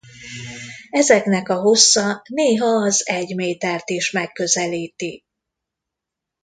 Ezeknek a hossza néha az egy métert is megközelíti.